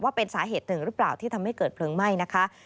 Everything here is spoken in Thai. เป็นสาเหตุหนึ่งหรือเปล่าที่ทำให้เกิดเพลิงไหม้นะคะ